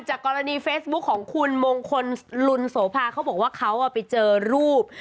กรณีเฟซบุ๊คของคุณมงคลลุนโสภาเขาบอกว่าเขาไปเจอรูป